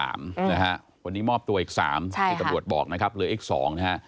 วันนี้มอบตัวอีก๓ที่ตำรวจบอกนะครับเหลืออีก๒นะฮะ